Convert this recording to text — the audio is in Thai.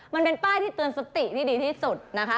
มันเป็นป้ายที่เตือนสติที่ดีที่สุดนะคะ